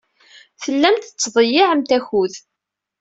Tellamt tettḍeyyiɛemt akud.